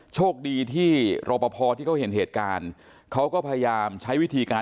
โชคดีที่รอปภที่เขาเห็นเหตุการณ์เขาก็พยายามใช้วิธีการ